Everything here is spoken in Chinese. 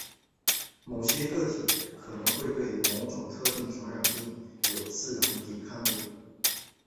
某些个体可能会对某种特定传染病有自然抵抗力。